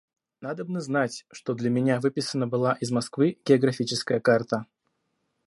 Надобно знать, что для меня выписана была из Москвы географическая карта.